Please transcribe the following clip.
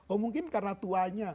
oh mungkin karena tuanya